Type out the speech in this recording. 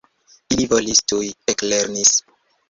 Ili volis tuj eklerni.